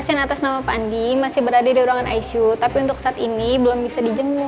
yaudah deh ayo kita pergi ma